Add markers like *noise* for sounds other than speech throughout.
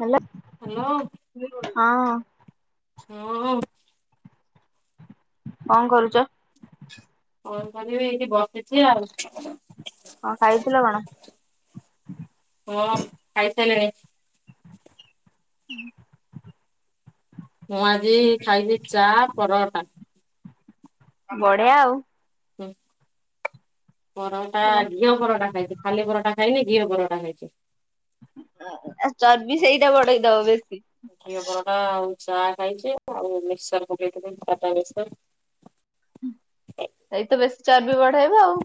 Hello. Hello. ହଁ। ହୁଁଉଁ। କଣ କରୁଚ। କଣ କରିବି ଏଇଠି ବସିଛି ଆଉ। କଣ ଖାଇଥିଲ କଣ। ହଁ ଖାଇସାରିଲିଣି। *inaudible* ମୁଁ ଆଜି ଖାଇଚି ଚା ପରଅଟା। ବଢିଆ ଆଉ। ହୁଁ ପରଅଟା କୁହ। ଘିଅ ପରଟା ଖାଇଥି ଖାଲି ପରଟା ଖାଇନି ଘିଅ ପରଟା ଖାଇଚି। ଆ ଚର୍ବି ସେଇଟା ବଢେଇ ଦବ ବେଶୀ। ଘିଅ ପରଟା ଆଉ ଚା ଖାଇଚି ଆଉ ମିକ୍ସଚର ପକେଇଥିଲି ଟାଟା ମିକ୍ସ୍ଚାର। ସେଇତ ବେଶୀ ଚର୍ବି ବଢେଇବ ଆଉ।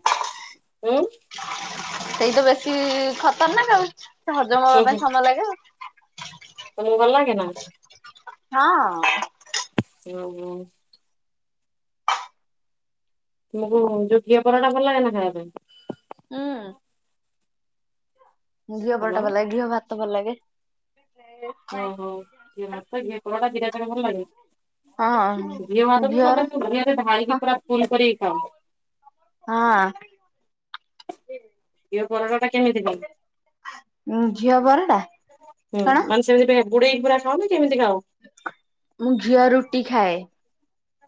ଉଁ ସେଇ ତ ବେଶୀ ଖତରନାକ ଆଉ ସେ ହଜମ ହବା ପାଇଁ ସମୟ ଲାଗେ ଆଉ। ତମେ ଗଲାଣି ନା। ହଁ। ଓହୋ। ତମକୁ ଯୋଉ ଘିଅ ପରଟା ଭଲ ଲାଗେ ନା ଖାଇବା ପାଇଁ। ହୁଁ। ଘିଅ ହ୍ୟାଲୋ ପଲଟା ଭଲ ଲାଗେ ଘିଅ ଭାତ ଭଲ ଲାଗେ। ଓହୋ ଘିଅ ଭାତ ଘିଅ ପରଟା ଦିଟା ଯାକ ଭଲ ଲାଗେ। ହଁ। ଘିଅ ଭାତକୁ ଘିଅର ଏକାଥରକେ ଘିଅରେ ହଁ ଢାଳିକି ପୁରା ଫୁଲ କରିକି ଖାଉ। ହଁ। ଘିଅ ପରଟାଟା କେମିତି କଲୁ ଘିଅ ପରଟା ହୁଁ କଣ? ମାନେ ସେ ଇଟା ବୁଡେଇକି ପୁରା ଖାଅନା କେମିତି ଖାଅ। ମୁଁ ଘିଅ ରୁଟି ଖାଏ।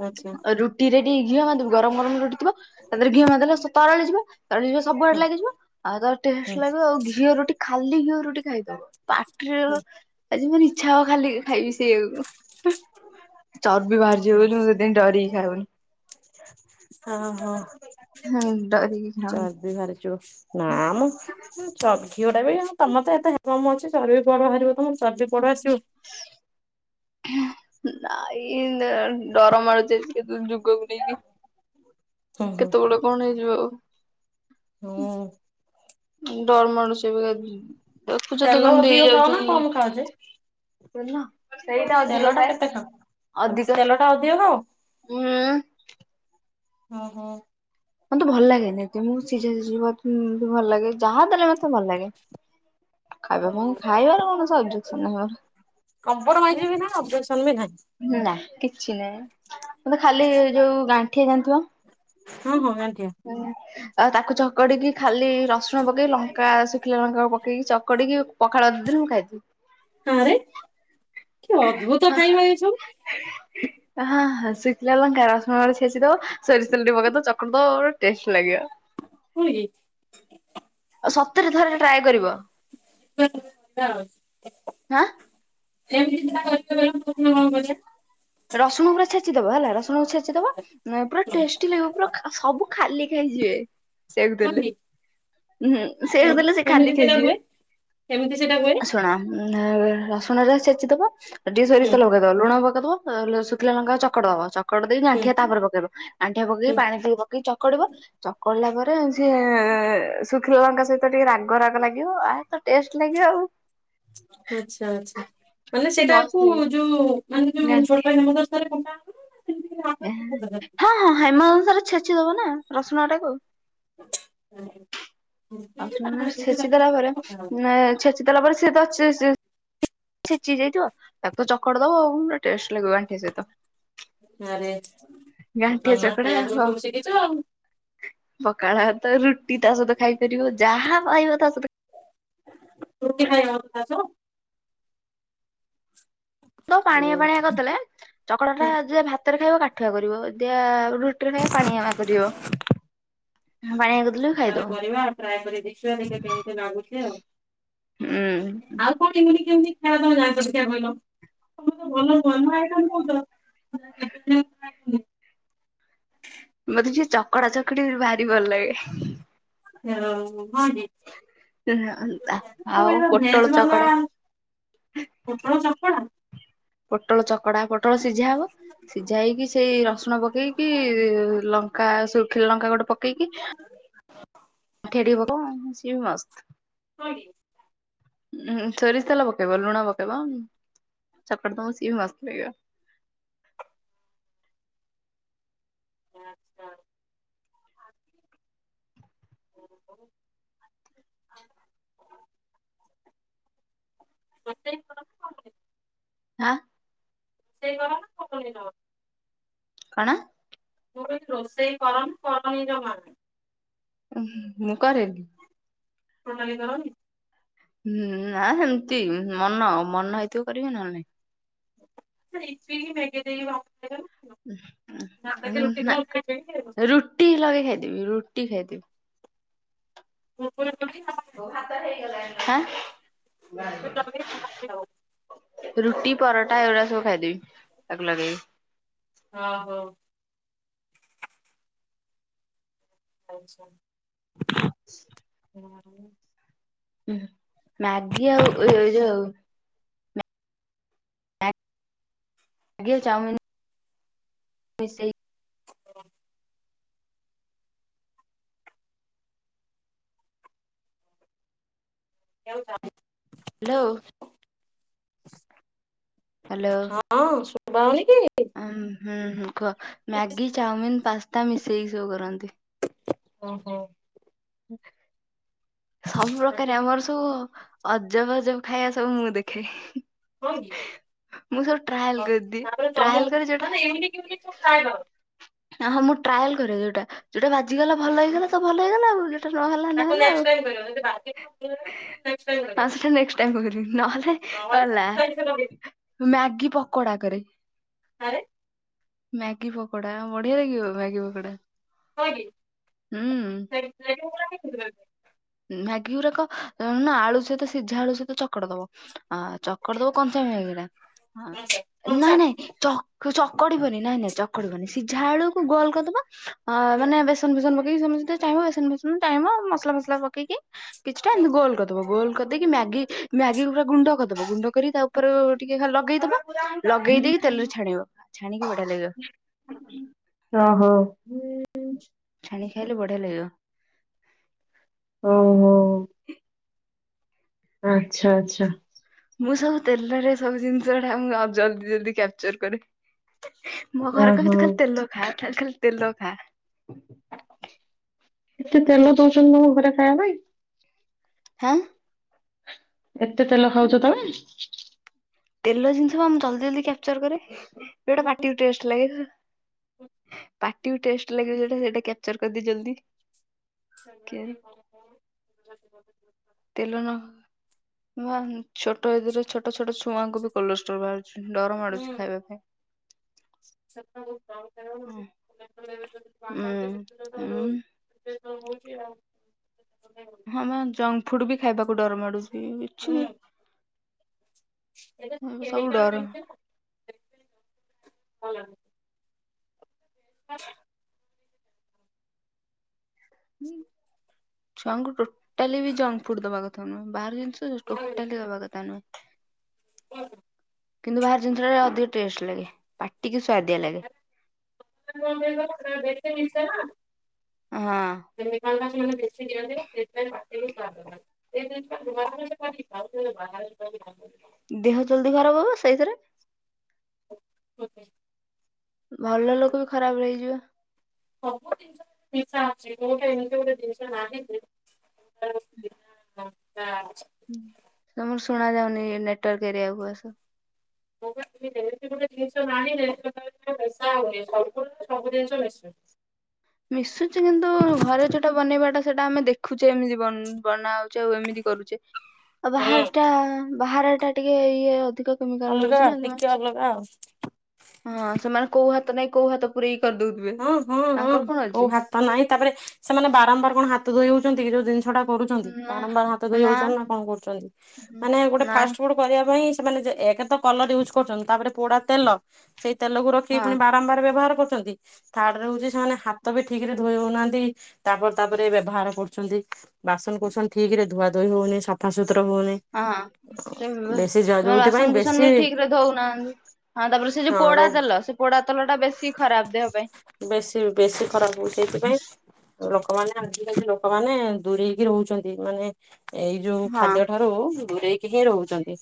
ଆଚ୍ଛା ହୁଁ ରୁଟି ରେ ଟିକେ ଘିଅ ମାରିଦବୁ ଗରମ ଗରମ ରୁଟି ଥିବ ତା ଦେହରେ ଘିଅ ମାରିଦେଲେ ସେ ତରଳି ଯିବ। ତରଳି ଯିବ ସବୁଆଡେ ଲାଗିଯିବ ଆଉ ତାର ହୁଁ ଟେଷ୍ଟ ଲାଗିବ ଆଉ ଘିଅ ରୁଟି ଖାଲି ଘିଅ ରୁଟି ଖାଇବୁ ପାଟିରେ ହୁଁ ବ ଆଜି ମାନେ ଇଚ୍ଛା ହବ ଖାଲି ଖାଇବି ସି ହେ ବୋପା, ଚର୍ବି ବାହାରିଯିବବୋଲି ମୁଁ ସେଥିପାଇଁ ଡରିକି ଖାଉନି। ହଁ, ହଁ ହଁ ଡରିକି ଖାଉନି ଚର୍ବି ବାହାରିଯିବ। ନା ମ ଘିଅ ଟା ବି ତମର ତ ଏତେଯଜ୍ଞ ହୋମ ଅଛି ଚବ଼ି ବାହାରିବ ତମ। ଚର୍ବି କୁଆଡୁ ଆସିବ। ହାଏ। ନାଇଁ ଡର ମାଡୁଚି ଯୁଗକୁ ନେଇକି। ହୁଁ ହୁଁ କେତେବେଳେ କଣ ହେଇଯିବ। ହୁଁ। ଡର ମଡୁଚି ଏବେକୁ ଦେଖୁଛ ତ ତେଲ କେମିତି ଅଧିକ ଖାଅ ହେଇଯାଉଛନ୍ତି। କମ ନା- ଖାଅ ଯେ ତେଲ ସେଇଟା ତେଲ ଅଧିକ ଟା ଖାଏ କେତେ ଖାଅ? ଅଧିକ *unintelligible* ଉଁ ଓ ହୋ। ମୋତେ ଭଲ ଲାଗେନି ଏତ ମୁଁ ସିଝା ସିଝ ବି ଭଲ ଲାଗେ ଯାହା ଦେଲେ ମତେ ଭଲ ଲାଗେ। ଖାଇବା ପାଇଁ ହଁ ଖାଇବାର କୌଣସି ଅବଜେକ୍ସନ ନାହିଁ ମୋର। କମ୍ପ୍ରୋମାଇଜ୍ ବି ନାହିଁ ଅବଜେକ୍ସନ ବି ନାହିଁ। ନା କିଛି ନାହିଁ। ମତେ ଖାଲି ଯୋଉଁ ଗାଣ୍ଠିଆ ଗାଣ୍ଠିଆ ହଁ ହଁ ଗାଣ୍ଠିଆ ହୁଁ ଆଉ ତାକୁ ଚକଡିକି ଖାଲି ରସୁଣ ପକେଇ ଲଙ୍କା ଶୁଖିଲା ଲଙ୍କାକୁ ପକେଇକି ଚକଡିକି ପଖାଳ ଭାତ ଦେଲେ ମୁଁ ଖାଇଦେବି। ହଁ ରେ ହଁ ହଁ ହଁ ସିକ ଲଙ୍କା ରସୁଣ ଛେଚି ଦବ ସୋରିଷ ତେଲ ଟିକେ ପକେଇ ଦବ ଚକୁଟି ଦବ ବଢ଼ିଆ ଟେଷ୍ଟ ଲାଗିବ। ନୁହେଁ କି ଆଉ ସତରେ ଥରେ ଟ୍ରାଏ କରିବ। କରିବା ଆଉ। ହାଁ ଏମିତି ସେଟା କରିବା କହିଲ ପ୍ରଥମେ କଣ କରିବା? ରସୁଣ ପୁରା ଛେଚିଦବ ହେଲା ରସୁଣ କୁ ଛେଚିଦବ ନାଇଁ ପୁରା ଟେଷ୍ଟି ଲାଗିବ ପୁରା ସବୁ ଖାଲି ଖାଇଯିବେ ସେମିତି ହଁ ଦେଲେ। କି ହୁଁ ସେଇଆ କୁ ଦେଲେ ସେ ଖାଲି କେମିତି ସେଟା ହୁଏ ଖାଇଯିବେ। କେମିତି ସେଟା ହୁଏ। ଶୁଣ ରସୁଣ ଟା ଛେଚି ଦବ ଟିକେ ସୋରିଷ ହୁଁ ତେଲ ପକେଇ ଦେବ ଲୁଣ ପକେଇ ଦବ ଶୁଖିଲା ଲଙ୍କା ଚକଡ଼ି ଦବ ଚକଡ଼ି ଦେଇକି ହୁଁ ଗାଣ୍ଠିଆ ତାପରେ ପକେଇବ ଗାଣ୍ଠିଆ ପକେଇ ହୁଁ ପାଣି ଚକଡିବ। ଚକଡ଼ିଲା ପରେ ସେ ଶୁଖିଲା ଲଙ୍କା ସହିତ ଟିକେ ରାଗ ରାଗ ଲାଗିବ ଆ ଟେଷ୍ଟ ଲାଗିବ ଆଉ। ଆଛା ଆଛା ମାନେ ମସ୍ତ ସେଟାକୁ ଲାଗିବ। ଯୋଉଁ ମାନେ ଯୋଉଁ ଛୋଟ ହେମଦସ୍ତା ରେ କୁଟା ହେବ ନା ସେମିତି ହଁ ହଁ ହେମଦସ୍ତା ରେ ଛେଚିଦବ ନା ରସୁଣ ଟାକୁ। *unintelligible* ରସୁଣ ଟାକୁ ଛେଚି ଦେଲା ପରେ ଛେଚି ଦେଲା ପରେ ସିଏ ତ ଅଛି ଚି ଚି ଛେଚି ହେଇଯାଇଥିବ ତାକୁ ତ ଚକଡ ଦବ ଆଉ ପୁରା ଟଷ୍ଟ ଲାଗିବ ଗାଣ୍ଠିଆ ସହିତ। ଆରେ ସଖାଳ ଗାଣ୍ଠିଆ ର ଚକଡା ଖାଇବା ହ ସବୁ ଶିଖିଚ ଆଉ। ପଖାଳ ଭାତ ରୁଟି ତା ସହିତ ଖାଇପାରିବ ଯାହା ପାଇବ ତା ସହିତ ରୁଟି ଖାଇ ହେବ ତା ସହ? ତ ପାଣିଆ ପାଣିଆ କରିଦେଲେ ଚକଡ଼ା ଟା ଯେ ଭାତ ଭାତ ରେ ଖାଇବ କାଠୁଆ କରିବ ଯିଏ ରୁଟିରେ ଖାଇବା ପାଣିଆ କରିବ। ପାଣିଆ କରିଦେଲେ ବି ଥରେ ଖାଇଦଉ କରିବା ଆଉ ଟ୍ରାଏ କରି ଦେଖିବା ଟିକେ କେମିତି ଲାଗୁଛି ଆଉ। ହୁଁ ଆଉ କଣ ଏମିତି କେମିତି ଖାଇବା ତମେ ଜାଣିଚ ଦେଖିଆ କହିଲ? ତମେ ତ ଭଲ ନୁଆଁ ନୁଆଁ ଆଇଟମ କହୁଚ ଏବେ ମତେ ଯିଏ ଚକଡା ଚକଡି ଭାରି ଭଲ ଲାଗେ। *unintelligible* ଏହେ ଆଉଁ ଆ, ଭେଜ ପୋଟଳ ବାଲା ଚୋକଡା। ପୋଟଳ ଚୋକଡା? ପୋଟଳ ଚୋକଡା, ପୋଟଳ ସିଝା ହବ। ସିଝା ହେଇକି ସେଇ ରସୁଣ ପକେଇକି ଲଙ୍କା ଶୁଖିଲା ଲଙ୍କା ଗୋଟେ ପକେଇକି ସିଏ ଟିକେ ପକ ସିଏ ବି ମସ୍ତ। ହଁ କି? ଉଁହୁଁ, ସୋରିଷ ତେଲ ପକେଇବ, ଲୁଣ ପକେଇବ, ଚୋକଟି ଦବ। ସିଏ ବି ମସ୍ତ ଲାଗିବ। ଆଚ୍ଛା। *inaudible* ରୋଷେଇ *unintelligible* କରୁନି। ହା ସେଇ ଗୋଡା ନା *unintelligible* କଣ? ମୁଁ କହିଲି ରୋଷେଇ କରନା, କରନି ଜମା? ଉଁ, ହୁଁ ମୁଁ କରେନି। ଟୋଟାଲି କରନି? ନା ସେମତି ମନ ମନ ହେଇଥିବ କରିବି, ନହେଲେ ନାହଁ। ତ ଏତିକି *unintelligible* ଦେଇକି ଭାତ ଗାଳୁ। ଉଁ, ହୁଁ, ଆଁ, ଆଉଁ, ନା ଖାଇବ ରୁଟି ଲଗେଇ ଖାଇଦେବି। ରୁଟି ଖାଇଦେବି। ତୁମୋ ଉପରେ *inaudible* ହାଁ? ଖାଇବ ରୁଟି, ପରଟା ଏଉଡା ସବୁ ଖାଇଦେବି। ଆଉ ଲଗେଇ। ହଁ, ହଉ। ଆଚ୍ଛା। *inaudible* ମାନେ? ଉଁ, ହୁଁ, ମାଗି ଆଉ ଏଇ ଏଇ ଯୋଉ ମ୍ୟାଗି ଆଉ ଚାଉମିନ ମିଶେଇ *inaudible* କେଉଁ *inaudible* ଲୋ ହଁ ଶୁବା ହଉନି କି? ଆଉଁ, ହୁଁ, ହୁଁ, କୁହ ମ୍ୟାଗି, ଚାଉମିିନ, ପାସ୍ତା ମିଶେଇକି ସବୁ କରନ୍ତି। ଓ ହୋ। ତାକୁ ସବୁପ୍ରକାର ଆମର ସବୁ ଅଜବ ଅଜବ ଖାଇବା ସବୁ ମୁଁ ଦେଖେ। ହଁ କି? ମୁଁ ସବୁ ଟ୍ରାଏଲ କରିଦିଏ। ତାପରେ ତୋମୁ ଟ୍ରାଏଲ କରେ ଯୋଉଟା ମାନେଏମିତି କେମିତି ସବୁ ଟ୍ରାଏ କର? ଅଁ, ହଁ ମୁଁ ଟ୍ରାଏଲ୍ କରେ ଯୋଉଟା। ଯୋଉଟା ବାଜିଗଲା ଭଲ ହେଇଗଲା ତ ଭଲ ହେଇଗଲା ଆଉ ଯେ ଟା ନହେଲା ତାକୁ ନହେଲା ନେକ୍ସଟ୍ ଆଉ। ଟାଇମ୍ କରିବ ଯଦି ବାକି ନେକ୍ସଟ୍ ଟାଇମ୍ ଆଉ କରିବ ସେଟା ନେଷ୍କଟ୍ ଟାଇମ୍ କୁ କରିବି। ନହଲେ ନହେଲେ ଅଲା, ଯାଇକି ସେ ଲଗେଇ ମ୍ୟାଗି ପକୋଡା କରେ। ଆରେ ମ୍ୟାଗି ପକୋଡା ବଢିଆ ଲାଗିବ ମ୍ୟାଗି ପକୋଡା ହଁ କି? ହୁଁ। *unintelligible* ମ୍ୟାଗି ଗୁରାକ ଅ, ନା ଆଳୁ ସହିତ ସିଝା ଆଳୁ ସହିତ ଚୋକଡ ଦବ। ଆ ଚୋକଡି ଦବ କଞ୍ଚା ମ୍ୟାଗି ଟା, କଞ୍ଚା ନାଇଁ ନାଇଁ ଚ କୁ ଚୋକଡି ବନି ନାଇଁ ନାଇଁ ଚୋକଡି ବନି। ସିଝା ଆଳୁ କୁ ଗୋଲ କରିଦବା ଆ ହୁଁ ମାନେ ବେଶ ବେସନ ଫେଶନ ପକେଇ କି ତୋମେ ଯଦି ଚାହିଁବ, ବେସନ ଫେସନ ଚାହିଁବ ମସଲା ଫସଲା ପକେଇକି କିଛିଟା ହୁଁ। ଏମିତି ଗୋଲ କରିଦବ ଗୋଲ କରିଦେଇ କି ମ୍ୟାଗି ମ୍ୟାଗି ପୁରା ଗୁଣ୍ଡ କରିଦବ ଗୁଣ୍ଡ କରି ତା ଉପରୁ ଟିକେ ଲଗେଇଦବା ଲଗେଇ ଦେଇେଇକି ତେଲରୁ ଛାଣିବ ଛାଣିକି ବଢିଆ ଲାଗିବ। ଓ ହଁ। ଛାଣି ଖାଇଲେ ବଢିଆ ଲାଗିବ। ହଉ ହଁ। ଆଚ୍ଛା ଆଚ୍ଛା। ମୁଁ ସବୁ ତେଲରେ ସବୁ ଜିନିଷଟା ମୁଁ ଜଲଦି ଜଲଦି କ୍ୟାପଚର କରେ। ମୋ ଘର କହିବେ ତୁ ଓହୋ। ଖାଲି ତେଲ ଖା ଖାଲି ଖାଲି ତେଲ ଖା ଏତେ ତେଲ ଦଉଛନ୍ତି ତମ ଘରେ ଖାଇବା ପାଇଁ। ହାଁ ଏତେ ତେଲ ଖାଉଛ ତମେ। ତେଲ ଜିନିଷ ଜଲଦି ଜଲଦି କ୍ୟାପଚର କରେ ସେଇଟା ପାଟି କୁ ଟେଷ୍ଟ ଲାଗେ। ପାଟିକୁ ଟେଷ୍ଟ ଲାଗିବ ଯଉଟା ସେଇଟା କ୍ୟାପଚର କରିଦିଏ ଜଲଦି। କିଆରେ *inaudible* ତେଲ ନ ବା ଛୋଟ ଏଜରେ ଛୋଟ ଛୋଟ ଛୁଆଙ୍କୁ ବି କୋଲଷ୍ଟ୍ରୋଲ ବାହାରୁଛି ଡର ମାଡୁଛି ଖାଇବା ପାଇଁ। *unintelligible* ସେ ଯୋଉ। ହୁଁ ଉଁ ଉଁ ସେ ତ ହଉଛି ଆଉ। ହଁ ମା ଜଙ୍କ ଫୁଡ ବି ଖାଇବାକୁ ଡର ମାଡୁଛି କିଛ ବି ଏଟା ସବୁ ଡର କେମିକାଲ *unintelligible* *inaudible* *inaudible* ଛୁଆଙ୍କୁ ଟୋଟାଲି ବି ଜଙ୍କ ଫୁଡ ଦବା କଥା ନୁହେଁ ବାହାର ଟୋଟାଲି ଦବା କଥା ନୁହେ। *unintelligible* କିନ୍ତୁ ବାହାର ଜିନିଷଟା ଅଧିକ ଟେଷ୍ଟ ଲାଗେ ପାଟିକି ସୁ୍ଆଦିଆ ଲାଗେ। *unintelligible* ବେଶୀ ନିଶା ନା। ହଁ। *unintelligible* ସେମାନେ ବେଶୀ ଦିଅନ୍ତି ସେଥିପାଇଁ ପାଟିକୁ ସୁଆଦ ଲାଗେ। *unintelligible* ଦେହ ଜଲଦି ଖରାପ ହବ ସେଇଥିରେ। *unintelligible* ଭଲ ଲୋକ ବି ଖରାପ ରହିଯିବେ। ସବୁ ଜିନିଷ ନିଶା ଅଛି କଉଠେ ଏମିତି ଗୋଟେ ଜିନିଷ ନାହିଁ ଯେ ଲଙ୍କା। ହଁ ତମର ଶୁଣା ଯାଉନି ନେଟୱାର୍କ ଏରିଆକୁ ଆସ। ଏମିତି ଗୋଟେ ଜିନିଷ ନାହିଁ ଯେ ଯଉଥିରେ ମିଶା ହଉନି ସବୁ ଜିନିଷ ମିଶୁ ମିଶୁଛି କିନ୍ତୁ ଘରେ ଯୋଉଟା ବନେଇବାଟା ସେଟା ଆମେ ଦେଖୁଛେ ଏମିତି ବନ ବନାହ ଆଉ ଏମିତି କରୁଛେ ଆଉ ହୁଁ, ବାହାର ଟା ବାହାର ଟା ଟିକେ ଇଏ ଅଧିକ। କେମିକାଲ ଅଲଗା ରହୁଛି ନା ଟିକେ ଅଲଗା ଆଉ। ହଁ ସେମାନେ କୋଉ ହାତ ନାଇଁ କୋଉ ହାତ ପୁରେଇକି କରିଦଉଥିବେ ତାଙ୍କର କଣ ଅଛି। ନହିଁ ତାପରେ ସେମାନେ ବାରମ୍ବାର କଣ ହାତ ଧୋଇ ହଉଛନ୍ତି କି ଯୋଉ ଜିନିଷଟା କରୁଚନ୍ତି ନା ବାରମ୍ବାର ହାତ ଧୋଇ ହଉଛନ୍ତି ନା କଣ କରୁଛନ୍ତି ମାନେ ଗୋଟେ ଫାଷ୍ଟ ନାଇଁ ଫୁଡ୍ କରିବା ପାଇଁ ସେମାନେ ଯେ ଏକ ତ କଲର ୟୁଜ କରୁଚନ୍ତି ତା ପରେ ପୋଡା ତେଲ ସେ ତେଲ କୁ ରଖିକି ହଁ ପୁଣି ବାରମ୍ବାର ବ୍ୟବହାର କରୁଛନ୍ତି। ଥାର୍ଡ ରେ ହଉଛି ସେମାନେ ହାତ ବି ଠିକ ରେ ଧୋଇ ହଉନାହାନ୍ତି ତାପରେ ତାପରେ ବ୍ୟବହାର କରୁଛନ୍ତି। ବାସନ କୁସନ ଠିକ ରେ ଧୁଆ ଧୋଇ ହଉନି ସଫା ସୁତୁର ହଉନି। ବେଶୀ ଯ ହଁ ଯୋଉଥିପାଇଁ ବେଶୀ ବାସନକୁସନ ବି ଠିକ ରେ ଧଉନାହାନ୍ତି। ହଁ ତାପରେ ସେ ଯୋଉ ହଁ ପୋଡା ରୋଗ ତେଲ ସେ ପୋଡା ତେଲ ଟା ବେଶୀ ଖରାପ ଦେହ ପାଇଁ। ବେଶୀ ବେଶୀ ଖରାପ ହଉ ସେଇଥିପାଇଁ ଲୋକମାନେ ଆଜିକାଲି ଲୋକମାନେ ଦୂରେଇକି ରହୁଛନ୍ତି ମାନେ ଏଇ ଯୋଉ ହଁ ଖାଦ୍ୟ ଠାରୁ ଦୂରେଇକି ହିଁ ରହୁଚନ୍ତି।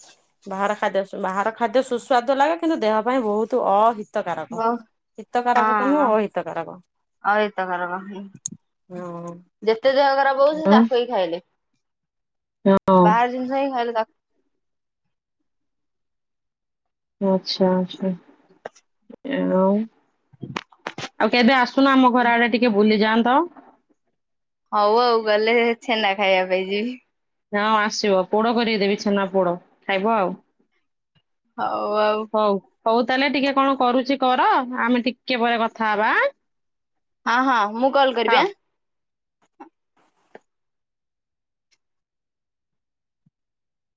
ବାହାର ଖାଦ୍ୟ ସୁ ବାହାର ଖାଦ୍ୟ ସୁସ୍ୱାଦ ଲାଗେ କିନ୍ତୁ ଦେହ ପାଇଁ ବହୁତ ଅହିତକାରକ। ବହୁ ଖରାପ ତ ନୁହଁ ଅହିତକାରକ। ଅହିତ କାରକ। ଆଉ ଯେତେ ଦେହ ଖରାପ ହଉ ସେ ତାକୁ ହିଁ ଖାଇଲେ। ହଁ ବାହାର ଜିନିଷ ହିଁ ଖାଇଲେ ତା ଆଚ୍ଛା, ଆଛା ଆଉ ଆଉ କେବେ ଆସୁନ ଆମ ଘର ଆଡେ ଟିକେ ବୁଲିଯାଆନ୍ତ। ହଉ ଆଉ ଗଲେ ଛେନା ଖାଇବା ପାଇଁ ଯିବି। ହଁ ଆସିବ ପୋଡ କରି କି ଦେବି ଛେନା ପୋଡ ଖାଇବ ଆଉ। ହଉ ଆଉ। ହଉ ହଉ ତାହେଲେ ଟିକେ କଣ କରୁଚି କର ଆମେ ଟିକେ ପରେ କଥା ହବା ଆଁ। ହଁ ହଁ ମୁଁ କଲ୍ ହଉ। କରିବି ଆଁ।